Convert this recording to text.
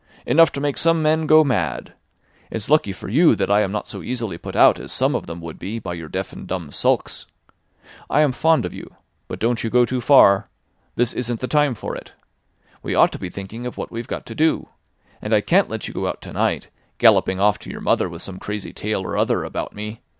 "Enough to make some men go mad. It's lucky for you that I am not so easily put out as some of them would be by your deaf and dumb sulks. I am fond of you. But don't you go too far. This isn't the time for it. We ought to be thinking of what we've got to do. And I can't let you go out to night, galloping off to your mother with some crazy tale or other about me.